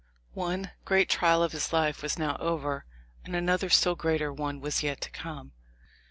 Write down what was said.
* One great trial of his life was now over, and another still greater one was yet to come.